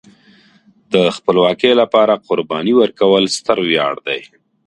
د خپلواکۍ لپاره قرباني ورکول ستر ویاړ دی.